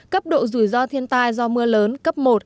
cấp độ rủi ro thiên tai do mưa lớn cấp một